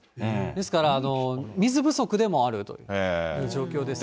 ですから、水不足でもあるという状況ですね。